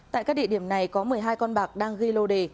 tại các địa điểm này có một mươi hai con bạc đang ghi lô đề